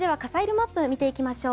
マップ見ていきましょう。